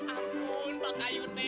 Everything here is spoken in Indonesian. ambon pakai yuk nek